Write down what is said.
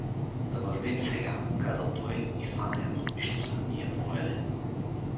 — Да вървим сега! — каза той и фана я под мйшница и я поведе.